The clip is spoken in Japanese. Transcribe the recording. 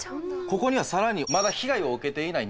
ここには更にまだ被害を受けていない